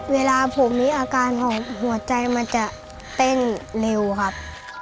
เวลาผมมีอาการของหัวใจมันจะเต้นเร็วครับ